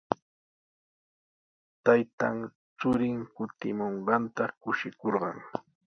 Taytan churin kutimunqanta kushikurqan.